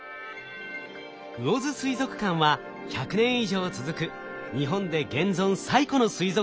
魚津水族館は１００年以上続く日本で現存